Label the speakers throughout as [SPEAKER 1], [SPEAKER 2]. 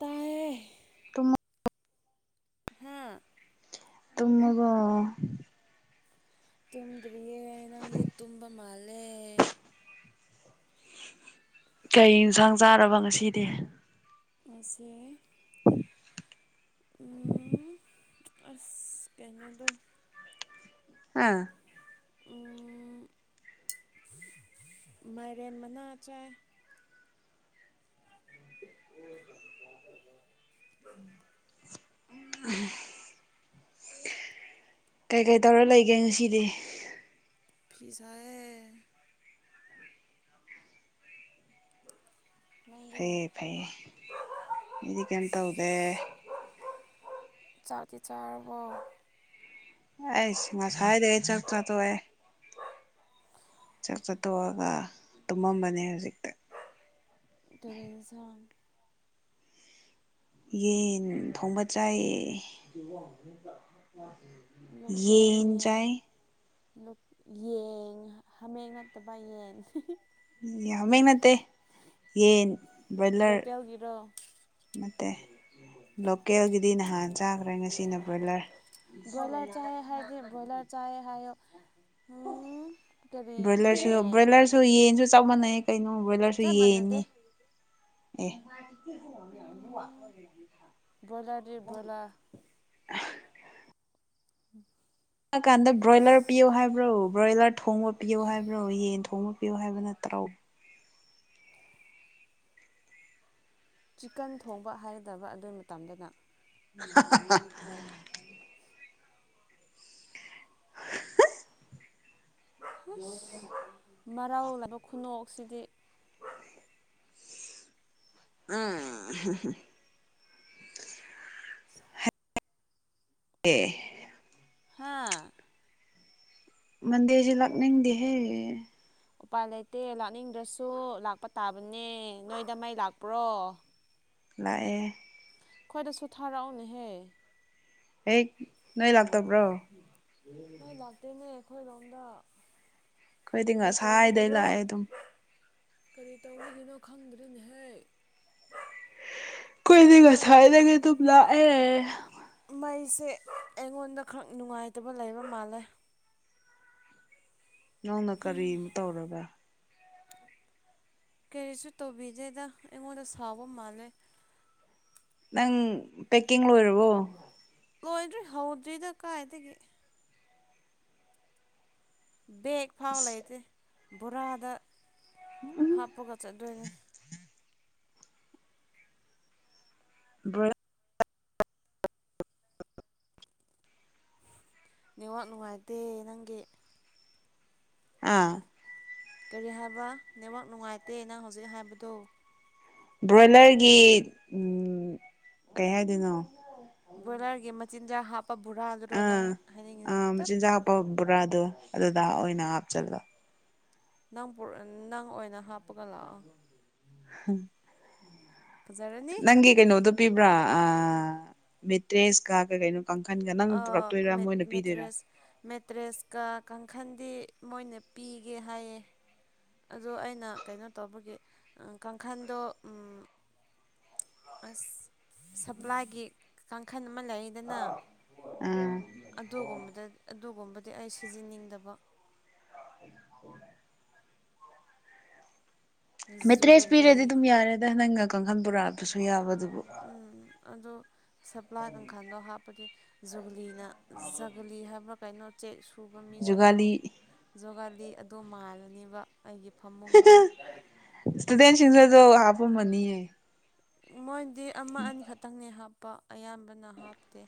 [SPEAKER 1] ꯇꯌꯦ
[SPEAKER 2] ꯇꯃ
[SPEAKER 1] ꯍꯥꯥ
[SPEAKER 2] ꯇꯃꯒ
[SPEAKER 1] ꯇꯨꯝꯗ꯭ꯔꯤꯌꯦ ꯅꯪꯗꯤ ꯇꯨꯝꯕ ꯃꯥꯜꯂꯦ
[SPEAKER 2] ꯀꯩ ꯏꯟꯁꯥꯡ ꯆꯥꯔꯕ ꯉꯁꯤꯗꯤ
[SPEAKER 1] ꯑꯁꯦ ꯎꯝ ꯑꯁ ꯀꯩꯅꯣꯗꯣ
[SPEAKER 2] ꯑꯥ
[SPEAKER 1] ꯃꯥꯏꯔꯦꯟ ꯃꯅꯥ ꯆꯥꯏ [inaudible]
[SPEAKER 2] ꯎꯝ ꯀꯩꯀꯩ ꯇꯧꯔ ꯂꯩꯒꯦ ꯉꯁꯤꯗꯤ
[SPEAKER 1] ꯐꯤꯁꯌꯦ ꯍ
[SPEAKER 2] ꯐꯩꯌꯦ ꯐꯩꯌꯦ ꯍꯥꯏꯗꯤ ꯀꯩꯝ ꯇꯧꯗꯦ
[SPEAKER 1] ꯆꯥꯇꯤ ꯆꯥꯔꯔꯕꯣ
[SPEAKER 2] ꯑꯩ ꯉꯁ ꯍꯥꯏꯗ ꯆꯛꯇ ꯇꯣꯋ ꯆꯥꯛ ꯆꯥꯠꯇꯣꯛꯑꯒ ꯇꯨꯝꯃꯝꯕꯅꯦ ꯍꯧꯖꯤꯛꯇ
[SPEAKER 1] ꯇꯨꯔꯦꯟꯁ
[SPEAKER 2] ꯌꯦꯟ ꯊꯣꯡꯕ ꯆꯥꯏꯌꯦ ꯌꯦ
[SPEAKER 1] ꯂꯣꯀꯦꯜ ꯌꯦꯟ
[SPEAKER 2] ꯆ
[SPEAKER 1] ꯌꯦꯟ ꯍꯥꯃꯦꯡ ꯅꯠꯇꯕ ꯌꯦꯟ
[SPEAKER 2] ꯌꯥꯝꯃꯤ ꯅꯠꯇꯦ ꯌꯦꯟ ꯕꯣꯏꯂꯔ
[SPEAKER 1] ꯇꯒꯤꯔꯣ
[SPEAKER 2] ꯅꯠꯇꯦ ꯂꯣꯀꯦꯜꯒꯤꯗꯤ ꯅꯍꯥꯟ ꯆꯥꯈ꯭ꯔꯦ ꯉꯁꯤꯅ ꯕ꯭ꯔꯣꯏꯂꯔ
[SPEAKER 1] ꯭ꯔꯣꯣꯌꯂꯔ ꯆꯥꯦ ꯈꯗꯤꯦ ꯕꯣꯣꯌꯂꯔ ꯆꯥꯦ ꯈꯥꯏꯣ ꯀꯔꯤ ꯌꯦꯟ
[SPEAKER 2] ꯁꯨ ꯌꯦꯟꯁꯨ ꯆꯃꯥꯟꯅꯩꯌꯦ ꯀꯩꯅꯣ ꯕ꯭ꯔꯣꯏꯂꯔꯁꯨ
[SPEAKER 1] ꯆꯞ ꯃꯥꯟꯅꯗꯦ
[SPEAKER 2] ꯌꯦꯟꯅꯤ ꯑꯦ
[SPEAKER 1] ꯎ ꯕꯣꯏꯂꯔ ꯗꯦ ꯕꯣꯏꯂꯥ
[SPEAKER 2] [unintelligible]
[SPEAKER 1] ꯎꯝ
[SPEAKER 2] ꯀꯥꯟꯗ ꯕ꯭ꯔꯣꯏꯂꯔ ꯄꯤꯌꯣ ꯍꯥꯏꯕ꯭ꯔꯣ ꯕ꯭ꯔꯣꯏꯂꯔ ꯊꯣꯡꯕ ꯄꯤꯌꯣ ꯍꯥꯏꯕ꯭ꯔꯣ ꯌꯦꯟ ꯊꯣꯡꯕ ꯄꯤꯌꯣ ꯍꯥꯏꯕ ꯅꯠꯇ꯭ꯔꯣ?
[SPEAKER 1] ꯆꯤꯀꯟ ꯊꯣꯡꯕ ꯍꯥꯏꯒꯗꯕ ꯑꯗꯨ ꯃꯇꯝꯗꯅ
[SPEAKER 2] [unintelligible] [inaudible] ꯍ
[SPEAKER 1] ꯃꯔꯥꯎꯂꯕ ꯈꯨꯅꯣꯛꯁꯤꯗꯤ
[SPEAKER 2] ꯑ
[SPEAKER 1] [unintelligible]
[SPEAKER 2] ꯑꯦ
[SPEAKER 1] ꯍꯥꯥ
[SPEAKER 2] ꯃꯗꯤꯦꯖꯤ ꯂꯛꯅꯤꯡꯗꯤ ꯍꯦ
[SPEAKER 1] ꯎꯄꯥꯏ ꯂꯩꯇꯦ ꯂꯥꯛꯅꯤꯡꯗ꯭ꯔꯁꯨ ꯂꯥꯛꯄ ꯇꯥꯕꯅꯦ ꯅꯣꯏꯗ ꯃꯩ ꯂꯥꯛꯄ꯭ꯔꯣ
[SPEAKER 2] ꯂꯥꯛꯑꯦ
[SPEAKER 1] ꯑꯩꯈꯣꯏꯗꯁꯨ ꯊꯥꯔꯛꯎꯅꯦꯍꯦ
[SPEAKER 2] ꯍꯦꯛ ꯅꯣꯏ ꯂꯥꯛꯇ ꯄ꯭ꯔꯣ
[SPEAKER 1] ꯅꯣꯏ ꯂꯥꯛꯇꯣꯏꯅꯦ ꯑꯩꯈꯣꯏꯔꯣꯝꯗ
[SPEAKER 2] ꯑꯩꯈꯣꯏꯗꯤ
[SPEAKER 1] ꯀꯔꯤ
[SPEAKER 2] ꯉꯁꯥꯏꯗꯩ
[SPEAKER 1] ꯇꯧꯕꯒꯤꯔꯣ
[SPEAKER 2] ꯂꯥꯛꯑꯦ ꯑꯗꯨꯝ
[SPEAKER 1] ꯀꯔꯤ ꯇꯧꯕꯒꯤꯅꯣ ꯈꯪꯗ꯭ꯔꯤꯅꯦꯍꯦꯛ ꯃꯩ
[SPEAKER 2] ꯀꯗꯤꯒꯁꯗꯒꯦ ꯇꯨꯄꯂ ꯑꯦ
[SPEAKER 1] ꯃꯩꯁꯦ ꯑꯩꯉꯣꯟꯗ ꯈꯔ ꯅꯨꯡꯉꯥꯏꯇꯕ ꯂꯩꯕ ꯃꯥꯜꯂꯦ
[SPEAKER 2] ꯅꯪꯅ ꯀꯔꯤ ꯇꯧꯔꯕ
[SPEAKER 1] ꯀꯔꯤꯁꯨ ꯇꯧꯕꯤꯗꯦꯗ ꯑꯩꯉꯣꯟꯗ ꯁꯥꯎꯕ ꯃꯥꯜꯂꯦ
[SPEAKER 2] ꯅꯪ ꯄꯦꯛꯀꯤꯡ ꯂꯣꯏꯔꯕꯣ
[SPEAKER 1] ꯂꯣꯏꯗ꯭ꯔꯤ ꯍꯧꯗ꯭ꯔꯤꯗ ꯀꯥꯏꯗꯒꯤ ꯕꯦꯛ ꯐꯥꯎꯕ ꯂꯩꯇꯦ ꯕꯣꯔꯥꯗ
[SPEAKER 2] ꯎꯝ
[SPEAKER 1] ꯍꯥꯞꯄꯒ ꯆꯠꯗꯣꯏꯅꯦ
[SPEAKER 2] ꯕ.
[SPEAKER 1] ꯅꯤꯉꯥꯛ ꯅꯨꯡꯉꯥꯏꯇꯦ ꯅꯪꯒꯤ
[SPEAKER 2] ꯑꯥ
[SPEAKER 1] ꯀꯔꯤ ꯍꯥꯏꯕ ꯅꯦꯠꯋꯥꯛ ꯅꯨꯡꯉꯥꯏꯇꯦ ꯑꯩꯅ ꯍꯧꯖꯤꯛ ꯍꯥꯏꯕꯗꯣ
[SPEAKER 2] ꯕ꯭ꯔꯣꯏꯂꯔꯒꯤ ꯀꯩ ꯍꯥꯏꯗꯣꯏꯅꯣ
[SPEAKER 1] ꯕ꯭ꯔꯣꯏꯂꯔꯒꯤ ꯃꯆꯤꯟꯖꯥꯛ ꯍꯥꯞꯄ ꯕꯣꯔꯥꯗꯨꯗꯣ ꯅꯪ
[SPEAKER 2] ꯑꯥ
[SPEAKER 1] ꯍꯥꯏꯅꯤꯡꯉꯤ
[SPEAKER 2] ꯑꯥ
[SPEAKER 1] ꯇꯠ
[SPEAKER 2] ꯃꯆꯤꯟꯖꯥꯛ ꯍꯥꯞꯄ ꯕꯣꯔꯥꯗꯣ ꯑꯗꯨꯗꯥ ꯑꯣꯏꯅ ꯍꯥꯞꯆꯤꯜꯂꯣ
[SPEAKER 1] ꯅꯪ ꯅꯪ ꯑꯣꯏꯅ ꯍꯥꯞꯄꯒ ꯂꯥꯛꯑꯣ
[SPEAKER 2] ꯎꯝ
[SPEAKER 1] ꯐꯖꯔꯅꯤ
[SPEAKER 2] ꯅꯪꯒꯤ ꯀꯩꯅꯣꯗꯣ ꯄꯤꯕ꯭ꯔꯥ ꯑ ꯃꯤꯇ꯭ꯔꯦꯁꯀ ꯀꯩ ꯀꯩꯅꯣ ꯀꯥꯡꯈꯟꯒ ꯅꯪ ꯄꯨꯔꯛꯇꯣꯏꯔꯥ ꯃꯣꯏꯅ ꯄꯤꯗꯣꯏꯔꯥ
[SPEAKER 1] ꯃꯦꯇ꯭ꯔꯦꯁ ꯃꯦꯇ꯭ꯔꯦꯁꯀ ꯀꯥꯡꯈꯟꯗꯤ ꯃꯣꯏꯅ ꯄꯤꯒꯦ ꯍꯥꯏꯌꯦ ꯑꯗꯣ ꯑꯩꯅ ꯀꯩꯅꯣ ꯇꯧꯕꯒꯤ ꯀꯥꯡꯈꯟꯗꯣ ꯑꯁ ꯁꯄ꯭ꯂꯥꯏꯒꯤ ꯀꯥꯡꯈꯜ ꯑꯃ ꯂꯩꯗꯅ
[SPEAKER 2] ꯑꯥ
[SPEAKER 1] ꯑꯗꯨꯒꯨꯝꯕꯗ ꯑꯗꯨꯒꯨꯝꯕꯗꯤ ꯑꯩ ꯁꯤꯖꯤꯟꯅꯅꯤꯡꯗꯕ
[SPEAKER 2] ꯃꯦꯇ꯭ꯔꯦꯁ ꯄꯤꯔꯗꯤ
[SPEAKER 1] ꯖꯨꯒꯂꯤ
[SPEAKER 2] ꯑꯗꯨꯝ ꯌꯥꯔꯦꯗ ꯅꯪꯒ ꯀꯥꯡꯍꯟ ꯄꯨꯔꯛꯑꯕꯁꯨ ꯌꯥꯕ ꯑꯗꯨꯕꯨ
[SPEAKER 1] ꯎꯝ ꯑꯗꯨ ꯁꯄ꯭ꯂꯥ ꯀꯪꯈꯥꯗꯣ ꯍꯥꯞꯄꯗꯤ ꯖꯨꯒ꯭ꯂꯤ ꯩꯅ ꯖꯒꯂꯤ ꯍꯥꯏꯕ ꯀꯩꯅꯣ ꯆꯦꯛ ꯁꯨꯕ ꯃꯤꯁꯤꯡꯗꯣ
[SPEAKER 2] ꯖꯨꯒꯥꯂꯤ
[SPEAKER 1] ꯖꯣꯒꯥꯂꯤ ꯑꯗꯨꯗꯣ ꯃꯥꯜꯂꯅꯦꯕ ꯑꯩꯒꯤ ꯐꯃꯨꯡꯗꯣ
[SPEAKER 2] ꯁꯗꯦꯟꯖ꯭ꯔꯁꯨ ꯍꯥꯄ ꯃꯅꯤꯌꯦ
[SPEAKER 1] ꯃꯣꯏꯗꯤ ꯑꯃ ꯑꯅꯤꯈꯛꯇꯪꯅꯦ ꯍꯥꯞꯄ ꯑꯌꯥꯝꯕꯅ ꯍꯥꯞꯇꯦ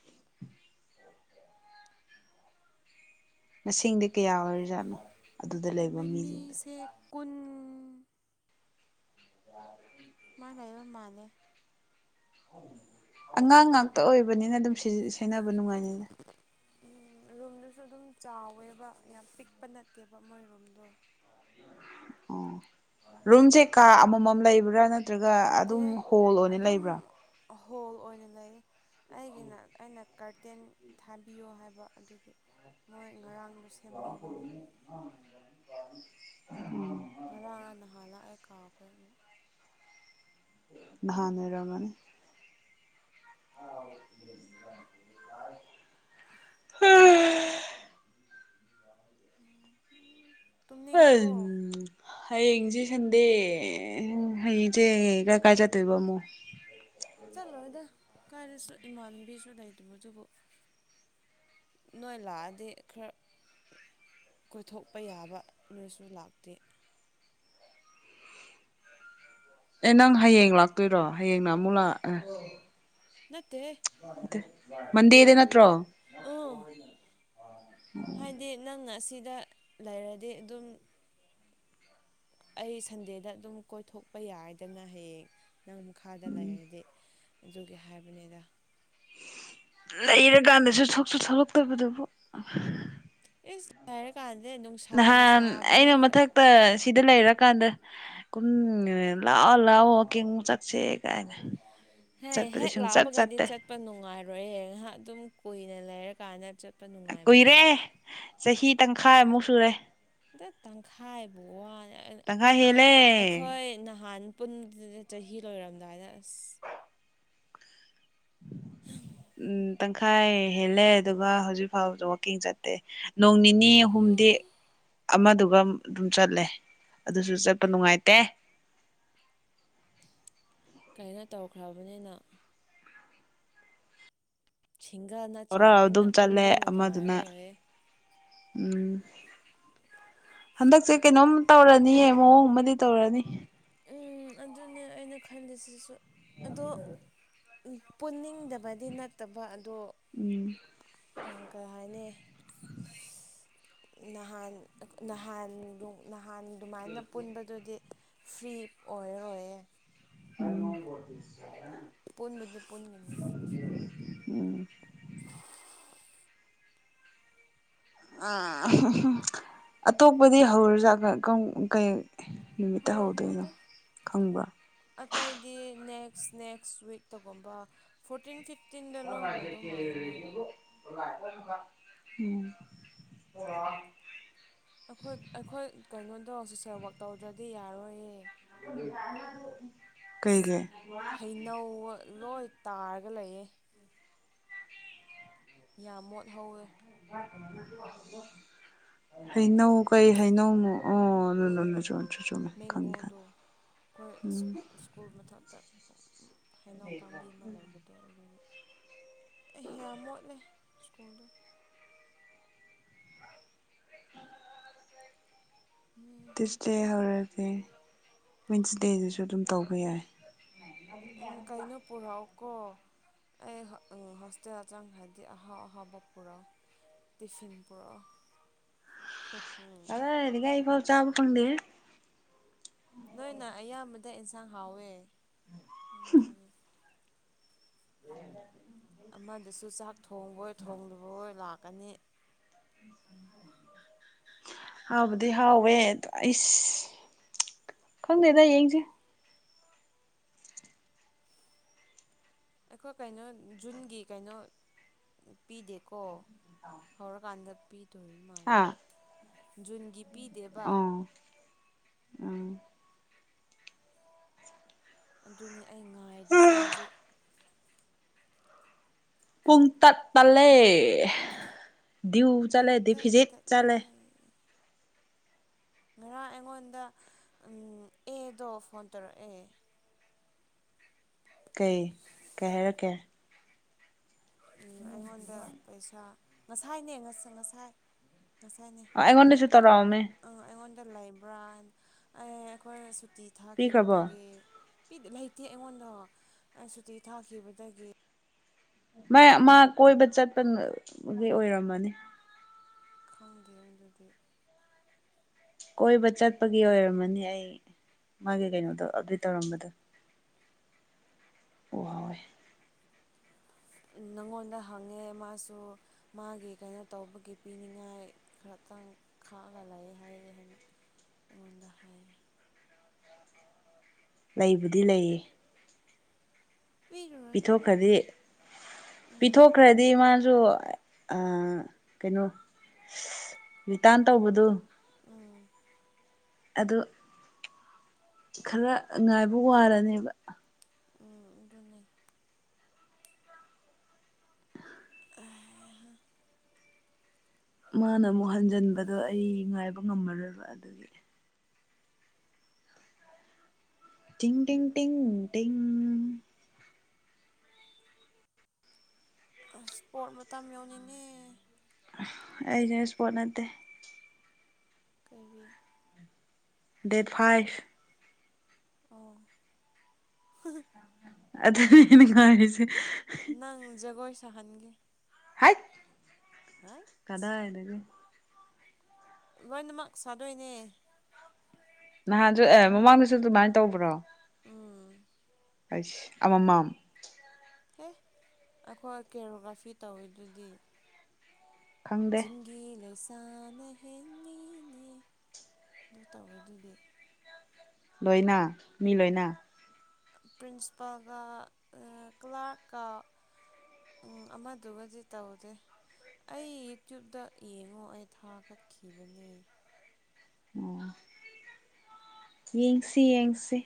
[SPEAKER 2] ꯃꯁꯤꯡ ꯃꯁꯤꯡꯗꯤ ꯀꯌꯥ ꯑꯣꯏꯔꯖꯥꯠꯅꯣ ꯑꯗꯨꯗ ꯂꯩꯕ ꯃꯤꯁꯤꯡꯗꯣ
[SPEAKER 1] ꯃꯃꯤꯁꯦ ꯀꯨꯟ
[SPEAKER 2] ꯑ
[SPEAKER 1] ꯃꯥꯏ ꯂꯩꯕ ꯃꯥꯜꯂꯦ
[SPEAKER 2] ꯑꯉꯥꯡ ꯉꯥꯛꯇ ꯑꯣꯏꯕꯅꯤꯅ ꯑꯗꯨꯝ ꯁꯦꯕ ꯅꯨꯡꯉꯥꯏꯅꯤꯅ
[SPEAKER 1] ꯎꯝ ꯔꯨꯝꯗꯨꯁꯨ ꯑꯗꯨꯝ ꯆꯥꯎꯋꯦꯕ ꯌꯥꯝ ꯄꯤꯛꯄ ꯅꯠꯇꯦꯕ ꯃꯣꯏ ꯔꯨꯝꯗꯣ
[SPEAKER 2] ꯑꯣ ꯔꯨꯝꯁꯦ ꯀꯥ ꯑꯃꯃꯝ ꯂꯩꯕ꯭ꯔꯥ ꯅꯠꯇ꯭ꯔꯒ ꯑꯗꯨꯝ
[SPEAKER 1] ꯅꯠꯇꯦꯍꯦ
[SPEAKER 2] ꯍꯣꯜ ꯑꯣꯏꯅ
[SPEAKER 1] ꯑꯗꯨꯝ
[SPEAKER 2] ꯂꯩꯕ꯭ꯔꯥ
[SPEAKER 1] ꯍꯣꯜ ꯑꯣꯏꯅ ꯂꯩ ꯑꯩꯒꯤꯅ ꯑꯩꯅ ꯀꯥꯔꯇꯦꯟ ꯊꯥꯕꯤꯌꯣ ꯍꯥꯏꯕ ꯑꯗꯨꯒꯤ ꯃꯣꯏ ꯉꯔꯥꯡꯗꯣ ꯁꯦꯝꯍꯧꯕꯅꯤ ꯉꯔꯥꯡ ꯉꯔꯥꯡ ꯅꯍꯥꯟ ꯂꯥꯛꯑꯦ ꯀꯥꯎꯈ꯭ꯔꯦ ꯑꯃꯨꯛ
[SPEAKER 2] ꯅꯔ ꯃꯅꯤ ꯑ
[SPEAKER 1] [unintelligible] ꯇꯨꯝꯅꯤꯡꯉꯕꯣ
[SPEAKER 2] ꯍ ꯌꯦꯡꯖꯦ ꯁꯟꯗꯦ ꯑꯩꯆꯦ [unintelligible] ꯀꯥꯏ ꯆꯠꯇꯣꯏꯕ ꯃꯨꯛ
[SPEAKER 1] ꯆꯠꯂꯣꯏꯗ ꯀꯥꯏꯗꯁꯨ ꯏꯃꯥꯟꯅꯕꯤꯁꯨ ꯂꯩꯗꯕ ꯑꯗꯨꯕꯨ ꯅꯣꯏ ꯂꯥꯛꯑꯗꯤ ꯈꯔ ꯀꯣꯏꯊꯣꯛꯄ ꯌꯥꯕ ꯅꯣꯏꯁꯨ ꯂꯥꯛꯇꯦ
[SPEAKER 2] ꯑꯦ ꯅꯪ ꯍꯌꯦꯡ ꯂꯥꯛꯇꯣꯏꯔꯣ ꯍꯌꯦꯡꯅ ꯑꯃꯨꯛ ꯂꯥꯛꯑ
[SPEAKER 1] ꯅꯠꯇꯦ
[SPEAKER 2] ꯃꯗꯤꯦꯗ ꯅꯠꯇ꯭ꯔꯣ
[SPEAKER 1] ꯎ ꯍꯥꯏꯗꯤ ꯅꯪꯅ ꯑꯁꯤꯗ ꯂꯩꯔꯗꯤ ꯑꯗꯨꯝ ꯑꯩ ꯁꯟꯗꯦꯗ ꯑꯗꯨꯝ ꯀꯣꯏꯊꯣꯛꯄ ꯌꯥꯏꯗꯅ ꯍꯌꯦꯡ ꯅꯪ ꯃꯈꯥꯗ ꯂꯩꯔꯗꯤ ꯑꯗꯨꯒꯤ ꯍꯥꯏꯕꯅꯤꯗ
[SPEAKER 2] ꯂꯩꯔꯀꯥꯟꯗꯁꯨ ꯁꯁꯨ ꯁꯂꯛꯇꯕꯗꯨꯕꯨ
[SPEAKER 1] ꯏꯁ ꯍꯥꯏꯔ ꯀꯥꯟꯗꯦ ꯅꯨꯡꯁꯥꯅ
[SPEAKER 2] ꯅꯍꯥꯟ
[SPEAKER 1] ꯁꯥꯕꯅꯦ
[SPEAKER 2] ꯑꯩꯅ
[SPEAKER 1] ꯍꯣꯏ
[SPEAKER 2] ꯁꯤꯗ ꯂꯩꯔꯀꯥꯟꯗ ꯀꯨꯝ ꯂꯥꯛꯑꯣ ꯂꯥꯛꯑꯣ ꯆꯠꯁꯦ ꯀꯥꯏ
[SPEAKER 1] ꯍꯦ ꯍꯦꯛ ꯂꯥꯞꯄꯒꯗꯤ ꯆꯠꯄ ꯅꯨꯡꯉꯥꯏꯔꯣꯏ ꯉꯥꯏꯍꯥꯛ ꯑꯗꯨꯝ ꯀꯨꯏꯅ ꯂꯩꯔꯀꯥꯟꯗ ꯆꯠ
[SPEAKER 2] ꯀꯨꯏꯔꯦ ꯆꯍꯤ ꯇꯪꯈꯥꯏꯃꯨꯛ ꯁꯨꯔꯦ
[SPEAKER 1] ꯇꯪꯈꯥꯏꯕꯨ ꯋꯥꯅꯤ
[SPEAKER 2] ꯇꯪꯈꯥꯏ
[SPEAKER 1] ꯑꯩꯈꯣꯏ
[SPEAKER 2] ꯍꯦꯜꯂꯦ
[SPEAKER 1] ꯑꯩꯈꯣꯏ ꯅꯍꯥꯟ ꯄꯨꯟꯁꯤꯗ ꯆꯍꯤ ꯂꯣꯏꯔꯝꯗꯥꯏꯗ ꯑꯁ
[SPEAKER 2] ꯎꯝ ꯇꯪꯈꯥꯏ ꯍꯦꯜꯂꯦ ꯑꯗꯨꯒ ꯍꯧꯖꯤꯛ ꯐꯥꯎꯗ ꯋꯀꯤꯡ ꯆꯠꯇꯦ ꯅꯣꯡ ꯅꯤꯅꯤ ꯑꯍꯨꯝꯗꯤ ꯑꯃꯗꯨꯒ ꯑꯗꯨꯝ ꯆꯠꯂꯦ ꯑꯗꯨꯁꯨ ꯆꯠꯄ ꯅꯨꯡꯉꯥꯏꯇꯦ
[SPEAKER 1] ꯀꯩꯅꯣ ꯇꯧꯈ꯭ꯔꯕꯅꯤꯅ ꯁꯤꯡꯒꯥꯅ
[SPEAKER 2] ꯌꯥꯔ ꯑꯗꯨꯝ ꯆꯠꯂꯦ ꯑꯃꯗꯨꯅ ꯎꯝ ꯍꯟꯗꯛꯁꯦ ꯀꯩꯅꯣꯝ ꯇꯧꯔꯅꯤꯌꯦ ꯃꯑꯣꯡ ꯑꯃꯗꯤ ꯇꯧꯔꯅꯤ
[SPEAKER 1] ꯎꯝ ꯑꯗꯨꯅꯦ ꯑꯩꯅ ꯈꯜꯂꯤꯁꯤꯁꯨ ꯑꯗꯣ ꯄꯨꯅꯤꯡꯗꯕꯗꯤ ꯅꯠꯇꯕ ꯑꯗꯣ
[SPEAKER 2] [unintelligible]
[SPEAKER 1] ꯑꯥ ꯀꯩ ꯍꯥꯏꯅꯤ ꯅꯍꯥꯟ ꯅꯍꯥꯟ ꯅꯍꯥꯟ ꯑꯗꯨꯃꯥꯏꯅ ꯄꯨꯟꯕꯗꯨꯗꯤ ꯐ꯭ꯔꯤ ꯑꯣꯏꯔꯣꯏꯌꯦ
[SPEAKER 2] [unintelligible]
[SPEAKER 1] ꯄꯨꯟꯕꯗꯤ ꯄꯨꯟꯒꯅꯦꯕ
[SPEAKER 2] ꯎꯝ ꯑ ꯑꯇꯣꯞꯄꯗꯤ ꯍꯧꯔꯖ ꯀꯩ ꯅꯨꯃꯤꯠꯇ ꯍꯧꯗꯣꯏꯅꯣ
[SPEAKER 1] ꯍꯧꯔꯝꯃꯣꯏꯗ
[SPEAKER 2] ꯈꯪꯕ꯭ꯔꯥ
[SPEAKER 1] ꯑꯇꯩꯗꯤ ꯅꯦꯛꯁ ꯅꯦꯛꯁ ꯋꯤꯛꯇꯒꯨꯝꯕ ꯐꯣꯔꯇꯤꯟ ꯐꯤꯞ ꯇꯤꯟꯗ ꯂꯣꯏꯍꯗꯧ ꯃꯥꯜꯂꯦ ꯃꯣꯏ
[SPEAKER 2] [unintelligible]
[SPEAKER 1] ꯑꯩꯈꯣꯏ ꯑꯩꯈꯣꯏ ꯀꯩꯅꯣꯗꯣ ꯁꯣꯁꯦꯜ ꯋꯔꯛ ꯇꯧꯗ꯭ꯔꯗꯤ ꯌꯥꯔꯣꯏꯌꯦ
[SPEAKER 2] ꯀꯩꯒꯤ
[SPEAKER 1] ꯅ ꯂꯣꯏ ꯇꯥꯔꯒ ꯂꯩꯌꯦ ꯌꯥꯝ ꯃꯣꯠꯍꯧꯋꯦ
[SPEAKER 2] [unintelligible] ꯍꯩꯅꯧ ꯀꯩ ꯍꯩꯅꯧ ꯑꯣ [inaudible] ꯈꯪꯉꯦ ꯈꯪꯉꯦ
[SPEAKER 1] ꯃꯦꯡꯒꯣꯟꯗꯣ ꯑꯩꯈꯣꯏ
[SPEAKER 2] ꯎꯝ
[SPEAKER 1] ꯁ꯭ꯀꯨꯜ ꯃꯊꯛꯇ ꯍꯩꯅꯥꯎ ꯄꯥꯝꯕꯤ ꯑꯃ ꯂꯩꯕꯗꯣ ꯑꯗꯨꯒꯤ ꯑꯦ ꯌꯥꯝ ꯃꯣꯠꯂꯦ ꯁ꯭ꯀꯨꯜꯗꯣ
[SPEAKER 2] [unintelligible] ꯇ꯭ꯌꯁꯗꯦ ꯍꯧꯔꯗꯤ ꯋꯤꯟꯁꯗꯦꯗꯨꯁꯨ ꯑꯗꯨꯝ ꯇꯧꯕ ꯌꯥꯏ
[SPEAKER 1] ꯎꯝ ꯀꯩꯅꯣ ꯄꯨꯔꯛꯑꯣ ꯀꯣ ꯑꯩ ꯍꯣꯁꯇꯦꯜ ꯆꯪ ꯍꯥꯏꯗꯤ ꯑꯍꯥꯎ ꯑꯍꯥꯎꯕ ꯄꯨꯔꯣꯑꯣ ꯇꯤꯐꯤꯟ ꯄꯨꯔꯣ [unintelligible]
[SPEAKER 2] [unintelligible] ꯑꯩꯐꯥꯎ ꯆꯥꯕ ꯐꯪꯗꯦ
[SPEAKER 1] ꯅꯣꯏꯅ ꯑꯌꯥꯝꯕꯗ ꯑꯦꯟꯁꯥꯡ ꯍꯥꯎꯋꯦ
[SPEAKER 2] [inaudible]
[SPEAKER 1] ꯎꯝ ꯑꯃꯗꯁꯨ ꯆꯥꯛ ꯊꯣꯡꯕꯣꯏ ꯊꯣꯡꯗꯕꯣꯏ ꯂꯥꯛꯀꯅꯤ
[SPEAKER 2] ꯍꯥꯎꯕꯗꯤ ꯍꯥꯎꯋꯦ ꯑꯗꯣ ꯑꯩꯁ ꯈꯪꯗꯦꯗ ꯌꯦꯡꯁꯦ
[SPEAKER 1] ꯑꯩꯈꯣꯏ ꯀꯩꯅꯣ ꯖꯨꯟꯒꯤ ꯀꯩꯅꯣ ꯄꯤꯗꯦꯀꯣ ꯍꯧꯔꯀꯥꯟꯗ ꯄꯤꯗꯣꯔꯤ
[SPEAKER 2] ꯍꯥ
[SPEAKER 1] ꯃꯥꯜꯂꯦ ꯖꯨꯟꯒꯤ ꯄꯤꯗꯦꯕ
[SPEAKER 2] ꯑꯣ ꯎꯝ
[SPEAKER 1] ꯑꯗꯨꯅꯦ ꯑꯩ ꯉꯥꯏꯔꯤꯁꯦ ꯍꯧꯖꯤꯛ
[SPEAKER 2] ꯄꯨꯡ ꯇꯠ ꯇꯂꯦ ꯗꯌꯨ
[SPEAKER 1] ꯄꯨꯡ
[SPEAKER 2] ꯆꯂꯦ
[SPEAKER 1] ꯇꯠ
[SPEAKER 2] ꯗꯤꯐꯤꯖꯤꯠ
[SPEAKER 1] ꯇꯠꯂꯦ
[SPEAKER 2] ꯆꯂꯦ
[SPEAKER 1] ꯉꯔꯥꯡ ꯑꯩꯉꯣꯟꯗ ꯑꯦꯗꯣ ꯐꯣꯟ ꯇꯧꯔꯛꯑꯦ
[SPEAKER 2] ꯀꯩ ꯀꯩ ꯍꯥꯏꯔꯛꯀꯦ
[SPEAKER 1] ꯎꯝ ꯑꯩꯉꯣꯟꯗ ꯄꯩꯁꯥ ꯉꯁꯥꯏꯅꯦ ꯉꯁꯥꯏ ꯉꯁꯥꯏꯅꯦ
[SPEAKER 2] ꯑꯣ ꯑꯩꯉꯣꯟꯗꯁꯨ ꯇꯧꯔꯛꯑꯝꯃꯦ
[SPEAKER 1] ꯑꯥ ꯑꯩꯉꯣꯟꯗ ꯂꯩꯕ꯭ꯔꯥꯅ ꯑꯦ ꯑꯩꯈꯣꯏ ꯇꯤ
[SPEAKER 2] ꯄꯤꯈ꯭ꯔꯕꯣ
[SPEAKER 1] ꯊꯥꯈꯤꯕꯗꯒꯤ ꯂꯩꯇꯦ ꯑꯩꯉꯣꯟꯗ ꯁꯨꯇꯤ ꯊꯥꯈꯤꯕꯗꯒꯤ
[SPEAKER 2] ꯃꯥ ꯑꯃꯥ ꯀꯣꯏꯕ ꯆꯠꯄꯒꯤ ꯑꯣꯏꯔꯝꯃꯅꯤ
[SPEAKER 1] ꯈꯪꯗꯦ ꯃꯗꯨꯗꯤ
[SPEAKER 2] ꯀꯣꯏꯕ ꯆꯠꯄꯒꯤ ꯑꯣꯏꯔꯝꯃꯅꯤ ꯑꯩ ꯃꯥꯒꯤ ꯀꯩꯅꯣꯗꯣ ꯑꯗꯨꯏ ꯇꯧꯔꯝꯕꯗꯣ ꯑꯣ ꯍꯣꯏ
[SPEAKER 1] ꯅꯪꯉꯣꯟꯗ ꯍꯪꯉꯦ ꯃꯥꯁꯨ ꯃꯥꯒꯤ ꯀꯩꯅꯣ ꯇꯧꯕꯒꯤ ꯄꯤꯅꯤꯡꯉꯥꯏ ꯈꯔꯇꯪ ꯈꯥꯛꯑꯒ ꯂꯩ ꯍꯥꯏꯌꯦ ꯍꯥꯏꯅ ꯑꯩꯉꯣꯟꯗ ꯍꯥꯏ
[SPEAKER 2] ꯂꯩꯕꯨꯗꯤ ꯂꯩꯌꯦ
[SPEAKER 1] ꯄꯤꯔꯨꯔꯅꯨꯗ
[SPEAKER 2] ꯄꯤꯊꯣꯛꯈ꯭ꯔꯔꯤ
[SPEAKER 1] ꯎꯝ
[SPEAKER 2] ꯄꯤꯊꯣꯛꯈ꯭ꯔꯗꯤ ꯃꯥꯁꯨ ꯑꯥ ꯀꯩꯅꯣ ꯔꯤꯇꯥꯔꯟ ꯇꯧꯕꯗꯨ
[SPEAKER 1] ꯎꯝ
[SPEAKER 2] ꯑꯗꯣ ꯈꯔ ꯉꯥꯏꯕ ꯋꯥꯔꯅꯦꯕ
[SPEAKER 1] ꯎꯝ ꯑꯗꯨꯅꯦ [unintelligible]
[SPEAKER 2] ꯃꯥꯅ ꯑꯃꯨꯛ ꯍꯟꯖꯟꯕꯗꯣ ꯑꯩ ꯉꯥꯏꯕ ꯉꯝꯃꯔꯣꯏꯕ ꯑꯗꯨꯗꯤ ꯇꯤꯡ ꯇꯤꯡ ꯇꯤꯡ ꯇꯤꯡ
[SPEAKER 1] ꯑꯁ ꯏꯁꯄꯣꯔꯠ ꯃꯇꯝ ꯌꯥꯎꯅꯤꯡꯉꯦ
[SPEAKER 2] ꯑꯩꯖꯁꯄꯣꯠ ꯅꯠꯇꯦ
[SPEAKER 1] ꯀꯔꯤ
[SPEAKER 2] ꯗꯦꯠ ꯐꯥꯏꯚ
[SPEAKER 1] ꯑꯣ [unintelligible]
[SPEAKER 2] ꯑꯗꯨꯅꯦ ꯉꯥꯏꯔꯤꯁꯦ
[SPEAKER 1] ꯅꯪ ꯖꯒꯣꯏ ꯁꯍꯟꯒꯦ
[SPEAKER 2] ꯍꯥꯏꯠ
[SPEAKER 1] ꯍꯥꯏ
[SPEAKER 2] ꯀꯗꯥꯏꯗꯒꯤ
[SPEAKER 1] ꯂꯣꯏꯅꯃꯛ ꯁꯥꯗꯣꯏꯅꯦ
[SPEAKER 2] ꯅꯍꯥꯟꯁꯨ ꯑꯦ ꯃꯃꯥꯡꯗꯁꯨ ꯑꯗꯨꯃꯥꯏꯅ ꯇꯧꯕ꯭ꯔꯣ
[SPEAKER 1] ꯎꯝ
[SPEAKER 2] ꯑꯩꯁ ꯑꯃꯃꯝ
[SPEAKER 1] ꯍꯦ ꯑꯩꯈꯣꯏ ꯀꯦꯔꯣꯒ꯭ꯔꯥꯐꯤ ꯇꯧꯋꯤꯗꯨꯗꯤ
[SPEAKER 2] ꯈꯪꯗꯦ
[SPEAKER 1] ꯆꯤꯡꯒꯤ ꯂꯩꯁꯥꯅ ꯍꯦꯜꯂꯤꯅꯦ ꯑꯗꯨ ꯇꯧꯔꯣꯏꯗꯨꯗꯤ
[SPEAKER 2] ꯂꯣꯏꯅ ꯃꯤ ꯂꯣꯏꯅ
[SPEAKER 1] ꯄ꯭ꯔꯤꯟꯁꯤꯄꯥꯜꯒ ꯀ꯭ꯂꯥꯔꯀ ꯎꯝ ꯑꯃꯗꯨꯒꯗꯤ ꯇꯧꯗꯦ ꯑꯩ ꯌꯨꯇ꯭ꯌꯕꯇ ꯌꯦꯡꯉꯣ ꯑꯩ ꯊꯥ ꯀꯠꯈꯤꯕꯅꯦ
[SPEAKER 2] ꯑꯣ ꯌꯦꯡꯁꯤ ꯌꯦꯡꯁꯤ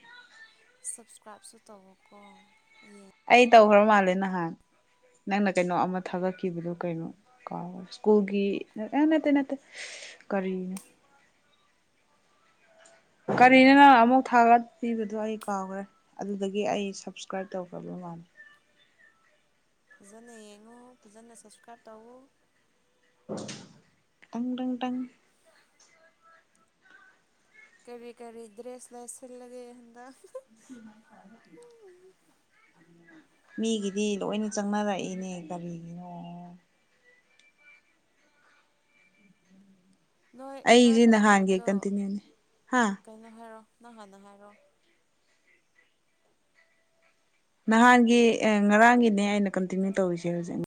[SPEAKER 1] ꯁꯥꯕꯁꯀ꯭ꯔꯥꯏꯞꯁꯨ ꯇꯧꯕꯀꯣ ꯌꯦ
[SPEAKER 2] ꯑꯩ ꯇꯧꯈ꯭ꯔ ꯃꯥꯜꯂꯦ ꯅꯍꯥꯟ ꯅꯪꯅ ꯀꯩꯅꯣ ꯑꯃ ꯊꯥꯒꯠꯈꯤꯕꯗꯨꯣ ꯀꯩꯅꯣ ꯀ ꯁ꯭ꯀꯨꯜꯒꯤ ꯅꯠꯇꯦ ꯅꯠꯇꯦ ꯀꯔꯤꯅꯣ ꯀꯔꯤꯅꯤ ꯅꯪ ꯑꯃꯨꯛ ꯊꯥꯒꯠꯄꯤꯕꯗꯣ ꯑꯩ ꯀꯥꯎꯈ꯭ꯔꯦ ꯑꯗꯨꯗꯒꯤ ꯑꯩ ꯁꯞꯁꯀ꯭ꯔꯥꯏꯞ ꯇꯧꯈ꯭ꯔꯕ ꯃꯥꯜꯂ
[SPEAKER 1] ꯐꯖꯅ ꯌꯦꯡꯉꯨ ꯐꯖꯅ ꯁꯞꯁꯀ꯭ꯔꯥꯏꯞ ꯇꯧꯎ
[SPEAKER 2] ꯇꯪ ꯇꯪ ꯇꯪ
[SPEAKER 1] ꯀꯔꯤ ꯀꯔꯤ ꯗ꯭ꯔꯦꯁ ꯂꯥꯏꯁꯟ ꯂꯒꯦ ꯍ
[SPEAKER 2] ꯃꯤꯒꯤꯗꯤ ꯂꯣꯏꯅ ꯆꯪꯅꯔꯛꯏꯅꯦ ꯀꯔꯤꯒꯤꯅꯣ
[SPEAKER 1] ꯅꯣꯏ ꯅꯣꯏ
[SPEAKER 2] ꯑꯩꯁꯦ ꯅꯍꯥꯟꯒꯤ
[SPEAKER 1] ꯀꯩꯅꯣꯗꯣ
[SPEAKER 2] ꯀꯟꯇꯤꯅ꯭ꯌꯨꯅꯤ ꯍꯥ
[SPEAKER 1] ꯀꯩꯅꯣ ꯍꯥꯏꯔꯣ ꯅ ꯍꯥꯟꯅ ꯍꯥꯏꯔꯣ
[SPEAKER 2] ꯅꯍꯥꯟꯒꯤ ꯉꯔꯥꯡꯒꯤꯅꯦ ꯑꯩꯅ ꯀꯟꯇꯤꯅ꯭ꯌꯨ ꯇꯧꯔꯤꯁꯦ ꯍꯧꯖꯤꯛ